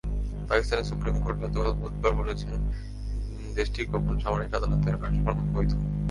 পাকিস্তানের supreme court গতকাল বুধবার বলেছেন, দেশটির গোপন সামরিক আদালতের কার্যক্রম বৈধ।